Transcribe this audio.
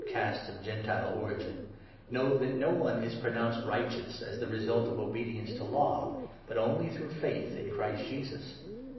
casts of Gentile origin, know that no one is 16 pronounced righteous as the result of obedience to Law, but only through faith in Christ Jesus.